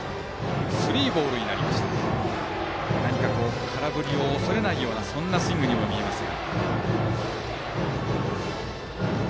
何か空振りを恐れないようなそんなスイングにも見えました。